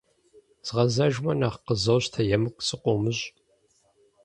Згъэзэжмэ, нэхъ къызощтэ, емыкӀу сыкъыумыщӀ.